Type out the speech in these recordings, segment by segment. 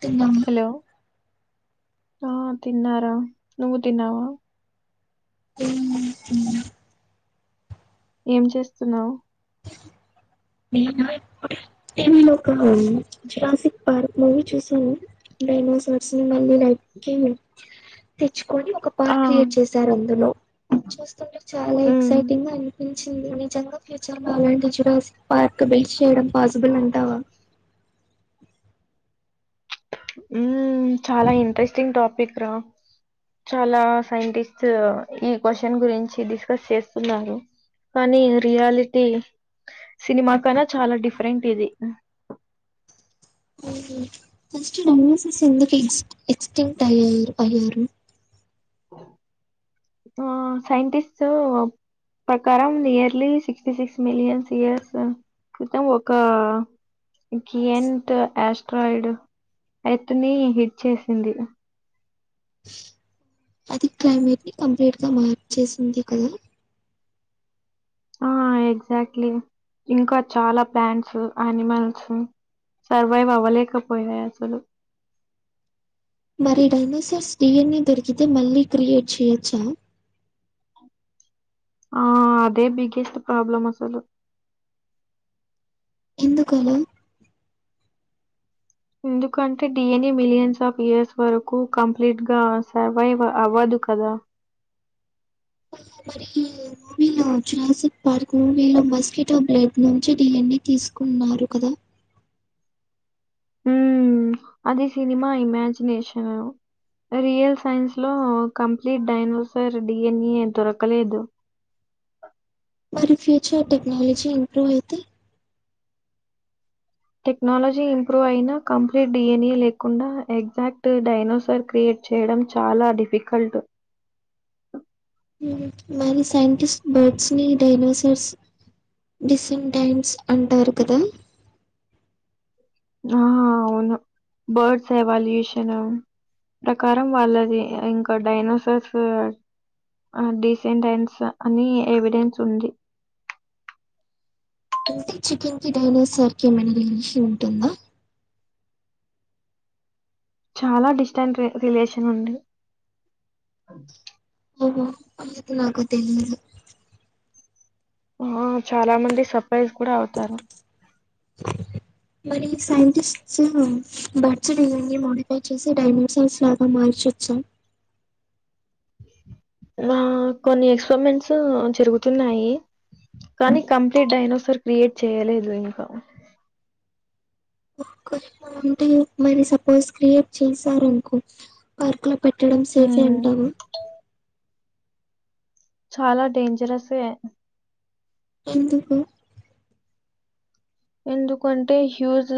తిన్నవ hello ఆ తిన్నారా నువ్వు తిన్నవా ఏం చేస్తున్నావు నేనా ఇప్పుడే టివి లో ఒక జూరాసిక్ పార్క్ మూవీ చూస్తున్న డైనోసోర్స్ ని మళ్ళీ [unintelligible] తెచ్చుకొని ఒక ఆ పార్క్ క్రియేట్ చేస్ చార్ అందులో చూస్తుంటే చాలా ఉమ్, ఎక్సైటింగ్ గా అనిపించింది నిజంగ ఫ్యూచర్ లో అలాంటి చూడల్సి పార్క్ బిల్డ్ చేయడం పాసిబుల్ అంటావా ఉమ్ చాలా ఇంట్రెస్టింగ్ టాపిక్ రా చాలా సైంటిస్ట్ ఈ క్వశ్చన్ గురించి డిస్కస్ చేస్తున్నారు కానీ రియాలిటీ సినిమా కన్నా చాలా డిఫరెంట్ ఇది ఫస్ట్ [unintelligible] ఎందుకు ఎగ్జిట్ ఎక్స్టింక్ట్ అయ్యాయి ఆ సైంటిస్ట్సు ప్రకారం nearly sixty six millions years క్రితం ఒక గియంట్ ఆస్ట్రాయిడ్ ఎర్త్ ని హిట్ చేసింది అది క్లైమేట్ ని కంప్లీట్ గా మార్చేసింది కదా ఆ ఎగ్జాక్ట్లీ ఇంకా చాలా ప్లాంట్స్ అనిమల్స్ సర్వైవ్ అవ్వలేకపోయాయి అసలు మరి డైనోసర్స్ డిఎన్ఏ దొరికితే మళ్ళీ క్రియేట్ చెయొచ్చా ఆ అదే బిగెస్ట్ ప్రాబ్లమ్ అసలు ఎందుకు ఆలా ఎందుకు అంటే డిఎన్ఏ మిలియన్స్ ఆఫ్ ఇయర్స్ వరకు కంప్లీట్ గా సర్వైవ్ వ అవ్వదు కదా మరి వీళ్ళు ఆ జూరాసిక్ పార్క్ వీళ్ళు మస్కిటో బ్లెడ్ నుంచి డిన్ఎ తీసుకున్నారు కదా ఉమ్ అది సినిమా ఇమాజినేషను రియల్ సైన్స్ లో కంప్లీట్ డైనోసర్ డిఎన్ఎ దొరకలేదు మరి ఫ్యూచర్ టెక్నాలజీ ఇంప్రూవ్ అయితే టెక్నాలజీ ఇంప్రూవ్ అయినా కంప్లీట్ డిఎన్ఏ లేకుండా ఎగ్జాక్ట్ డైనోసర్ క్రియేట్ చేయడం చాలా డిఫికల్ట్ ఉమ్ మరి సాయింటిస్ట్ బర్డ్స్ ని డైనోసర్స్ డిసిమ్ టైంస్ అంటారు కదా ఆ అవును బర్డ్స్ ఎవాల్యూషను ప్రకారం వాళ్ళది ఇంకొ డైనోసర్స్ ఆ డీసెంట్ టైమ్స్ అని ఎవిడెన్స్ ఉంది అంటే చికెన్ కి డైనోసర్ కి ఏమైనా రిలీషన్ ఉంటుందా చాలా డిస్టెంట్ రి రిలేషన్ ఉంది ఓహో [unintelligible] నాకు తెలీదు ఆ చాలా మంది సర్ప్రైజ్ కూడా అవుతారు మరి సైంటిస్ట్స్ బర్డ్స్ డిఎన్ఎ మోడిఫై చేసి డైమెన్షన్స్ లాగ్ ఆ మన్షి వొచ్చ ఆ కొన్ని ఎక్స్పరిమెంట్స్ జరుగుతున్నాయి కానీ కంప్లీట్ డైనోసర్ క్రియేట్ చేయలేదు ఇంకా ఒకరి మంటే మరి సపోజ్ క్రియేట్ చేశారు అనుకో పార్కుల పెట్టడం సేఫే హ్మ్. అంటామా చాలా డేంజరస్ ఎ ఎందుకు ఎందుకు అంటే హ్యూజ్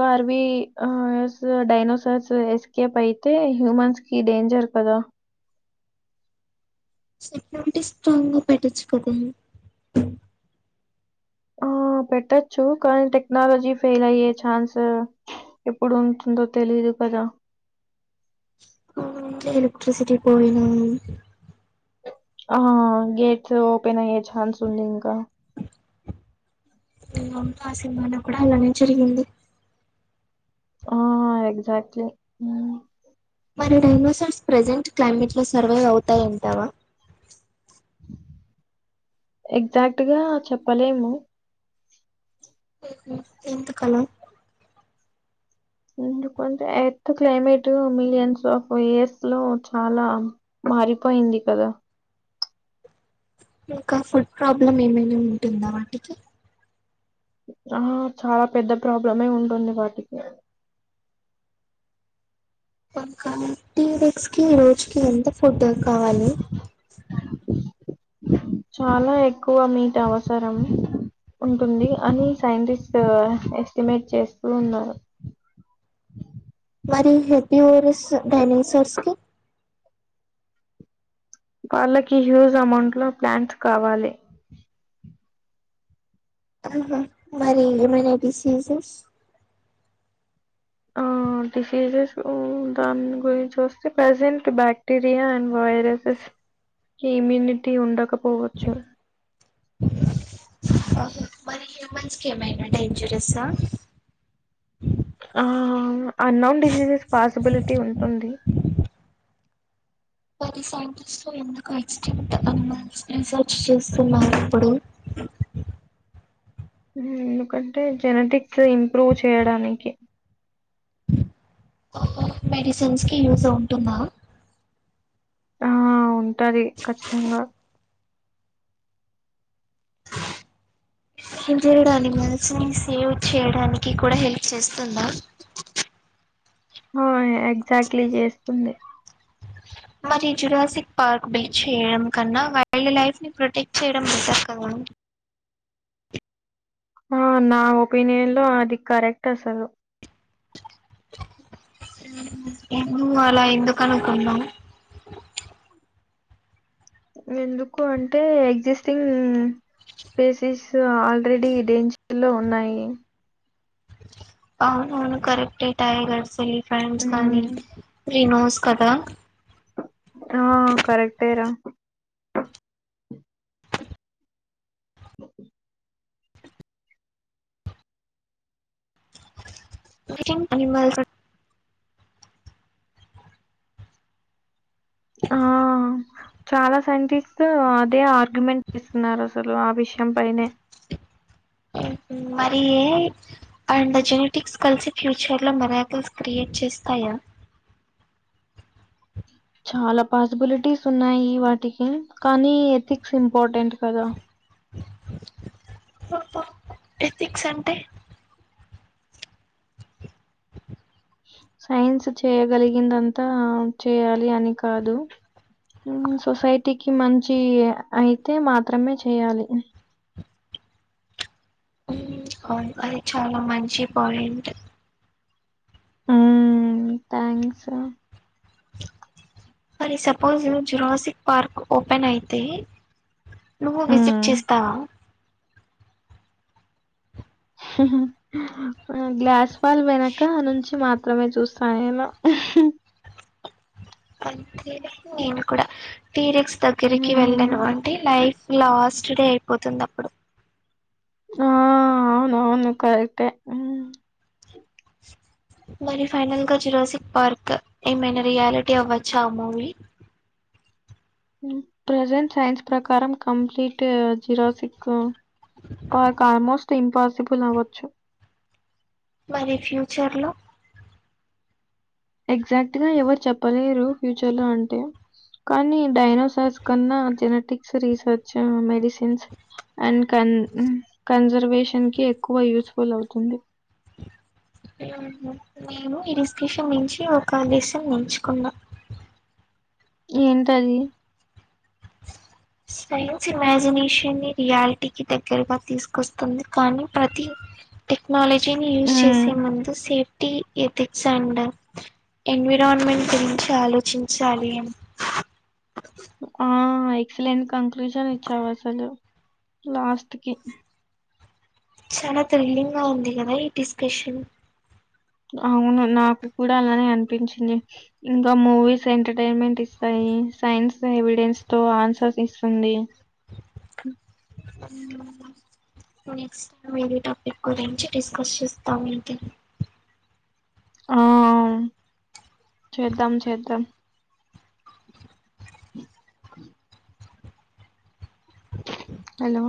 కర్వి ఆ స్ డైనోసర్స్ ఎస్కేప్ అయితే హ్యూమన్స్ కి డేంజర్ కదా సెక్యూరిటీ స్ట్రాంగ్ గ పెట్టొచ్చు ఆ పెట్టచ్చు కానీ టెక్నాలజీ ఫెయిల్ అయ్యే ఛాన్స్ ఎప్పుడు ఉంటుందో తెలీయదు కదా ఆ ఎలెక్ట్రిసిటీ పోయిన ఆ గేట్స్ ఓపెన్ అయ్యే ఛాన్స్ ఉంది ఇంకా అంటా ఆ సినిమాన కూడా అలానే జరిగింది ఆ ఎక్జాక్ట్లీ ఉమ్ మరి డైనోసర్స్ ప్రెజెంట్ క్లైమేట్ లో సర్వైవ్ అవుతాయి అంటావా ఎగ్జాక్ట్ గా చెప్పలేము ఎందుకు అలా ఎందుకు అంటే earth climate millions of years లో చాలా మారిపోయింది కదా ఇంకా ఫుడ్ ప్రాబ్లమ్ ఏమైనా ఉంటుందా వాటికి ఆ చాలా పెద్ద ప్రాబ్లం మే ఉంటుంది వాటికి పక్క టీ రెక్స్ కి రోజు కి ఎంత ఫుడ్ కావాలి చాలా ఎక్కువ మీట్ అవసరం ఉంటుంది అని సైంటిస్ట్ ఎస్టిమేట్ చేస్తూ ఉన్నారు మరి హెపీ ర్స్ డైనిసర్స్ కి వాళ్ళకి హ్యూజ్ అమౌంట్ లో ప్లాంట్స్ కావాలి ఆహ మరి ఏమైన డిసీజెస్ డిసీజెస్సు ఉ దాని గురించి ఓస్తే present bacteria and viruses immunity ఉండకపోవోచ్చు ఓకే మన ఉమెన్స్ కి డేంజరస్ ఆ ఆ అన్నోన్ డిసీజెస్ పాసిబిలిటీ ఉంటుంది సర్చ్ [unintelligible] చేస్తున్నాన్ ఇప్పుడు ఊమ్ ఎందుకంటే జెనటిక్స్ ఇంప్రూవ్ చేయడానికి మెడిసిన్స్ కి యూజ ఉంటుందా ఆ ఉంటాది ఖచ్చితంగా అనిమల్స్ సేవ్ చేయ్డానికి కూడా హెల్ప్ చేస్తుందా ఆ ఎగ్జాక్ట్లీ చేస్తుంది మరి జులాసిక్ పార్క్ బీచ్ ఏమ్కన్నా వైల్డ్ లైఫ్ ని ప్రొటెక్ట్ చేయడం బెటర్ కదా ఆ నా ఒపీనియన్లో అది కరెక్ట్ అసలు ఊమ్ అలా ఎందుకు అనుకున్నావు ఎందుకు అంటే ఎగ్జిస్టింగ్ స్పీసీస్ ఆల్రెడీ డేంజర్ లో ఉన్నాయి అవునవును కరెక్ట్టే టైగర్స్ ఎలిఫెంట్స్ కానీ ఉమ్, రినోస్ కదా ఆ కరెక్టే రా [unintelligible] అనిమల్స్ ఆ చాలా సైంటిస్ట్ అదే ఆర్గ్యుమెంట్ ఇస్తున్నారు అసలు ఆ విషయం పైనే ఉహు మరి ఏ అండ్ జెనెటిక్స్ కల్సి ఫ్యూచర్ లో మిరాకిల్స్ క్రియేట్ చేస్తాయా చాలా పాసిబిలిటీస్ ఉన్నాయి వాటికి కానీ ఎథిక్స్ ఇంపార్టెంట్ కదా ఆహా ఎథిక్స్ అంటే సైన్స్ చేయగలిగిందంతా చేయాలి అని కాదు సొసైటీకిి మంచి అయితే మాత్రమే చేయాలి ఊమ్ అవును అది చాలా మంచి పోయింట్ ఊమ్ థ్యాంక్స్ రా మరి సపోజ్ జురాసిక్ పార్క్ ఓపెన్ అయితే నువ్వు విజిట్ చేస్తావా గ్లాస్ పాల్ వెనక నుంచి మాత్ర మాత్రమే చూస్తా నేను అంతేలే నేను కూడా [unintelligible] దగ్గరికి హ్మ్. వెళ్ళను ఆంట్ అంటే లైఫ్ లాస్ట్ డే అయిపోతుందప్పుడు ఆ అవునవును కరెక్టే మరి ఫైనల్ గా జురాసిక్ పార్క్ ఏమైనా రియాలిటీ అవ్వొచ్చా ఆ మూవీ ప్రెజెంట్ సైన్స్ ప్రకారం complete Jurassic park almost impossible అవ్వొచ్చు మరి ఫ్యూచర్ లో ఎగ్జాక్ట్గా ఎవరు చెప్పలేరు ఫ్యూచర్ లో అంటే కానీ డైనోసర్స్ కన్నా జెనెటిక్స్ రీసర్చ్ మెడిసిన్స్ అండ్ కన్ కన్జర్వేషన్ కి ఎక్కువ యూస్ఫుల్ అవుతుంది నేను ఈ డిస్కషన్ నుంచి ఒక లెసన్ నేర్చుకున్నా ఏంటది సైన్స్ ఇమాజినేషన్ని రియాలిటీకిి దగ్గరగా తీస్కొస్తుంది కానీ ప్రతి టెక్నాలజీని యూజ్ హ్మ్. చేసే ముందు సేఫ్టీ ఎథిక్స్ అండ్ ఎన్విరాన్మెంట్ గురించి ఆలోచించాలి ఆ ఎక్సలెంట్ కంక్లూజన్ ఇచ్చావు అసలు లాస్ట్కి చాలా థ్రిల్ంగ్గా ఉంది కదా ఈ డిస్కషన్ అవును నాకు కూడా అలానే అనిపించింది ఇంకా మూవీస్ ఎంటర్టైన్మెంట్ ఇస్తాయి సైన్స్ ఎవిడెన్స్తో ఆన్సర్స్ ఇస్తుంది హు నెక్స్ట్ టైం వెరె టాపిక్ గురించి డిస్కస్ చేస్తాం ఎంటి ఆ చేద్దాం చేద్దాం హలో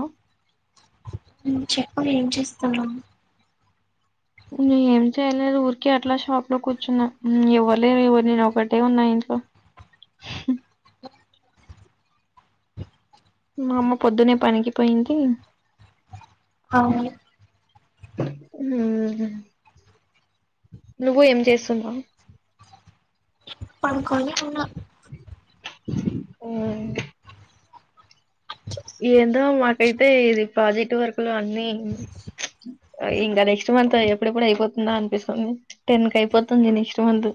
ఉహ్ చెప్పు ఏం చేస్తున్నవ్ ఏం చేయలేదు ఊర్కి అట్లా షాప్లో కూర్చున్నా ఎవర్లే ఇవళ నేనొకటే ఉన్నా ఇంట్లో. మా అమ్మ పొద్దునే పనికిపోయింది. అవ్నూ. హూ నువ్వు ఏం చేస్తున్నావ్. పర్కోని ఉన్న. ఆహ్ ఏందో మాకైతే ఇది ప్రాజెక్ట్ వర్క్లో అన్నీ ఇంకా నెక్స్ట్. మంత్ ఎప్పుడెప్పుడు అయిపోతుందా అనిపిస్తుంది టెన్ కైపోతుంది నెక్స్ట్ మంతు.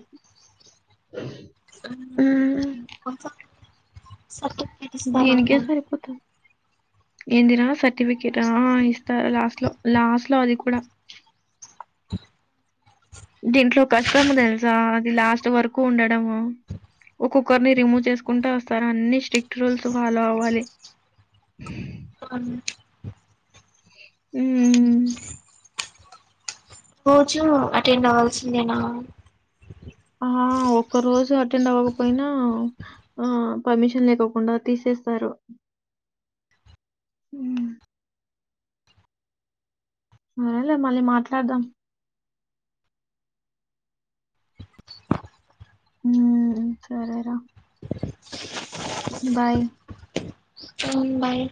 [unintelligible] దీనికే సర్టిఫికెటిస్తారన్నారు. సరిపోతుంది ఏందిరా సర్టిఫికేట్ అ ఆ ఇస్తారు లస్ట్లో లాస్ట్లో అది కూడ. దీంట్లో కష్టము తెల్సా అది లాస్ట్ వరకు ఉండడము. ఒక్కొకర్ని రిమూవ్ చేస్కుంటే వస్తారు అన్ని స్ట్రిక్ట్ రూల్స్ ఫాలో అవ్వాలి. అవ్ట్ ఊ. రోజు అటెండ్ అవ్వాల్సిందేనా. ఆ ఒక్క రోజు అటెండవ్వకపోయినా. ఆ పర్మిషన్ లేకోకుండా తీసేస్తారు. ఉహ్ సర్లే మళ్ళీ మాట్లాడ్దాం. ఊ సరేరా. బాయ్. Um bye